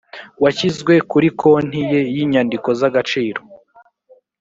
washyizwe kuri konti ye y inyandiko z agaciro